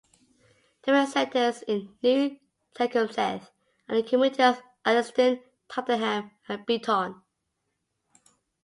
The main centres in New Tecumseth are the communities of Alliston, Tottenham, and Beeton.